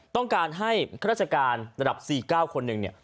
ต้องการให้เจ้าระจากานระดับ๔๙คนนึงเนี่ย